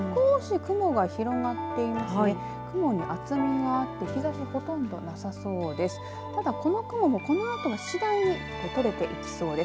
雲に厚みがあって日ざし、ほとんどなさそうです。